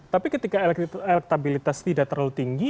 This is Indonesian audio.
tapi ketika elektabilitas tidak terlalu tinggi